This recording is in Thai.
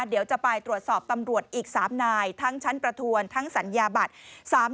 เดี๋ยวจะไปตรวจสอบตำรวจอีก๓นายทั้งชั้นประทวนทั้งสัญญาบัตร